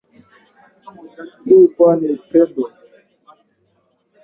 Kuu kwake ni upendo.